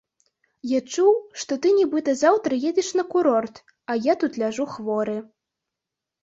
Я чуў, што ты нібыта заўтра едзеш на курорт, а я тут ляжу хворы.